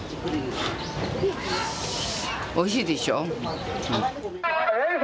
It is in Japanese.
おいしいでしょ。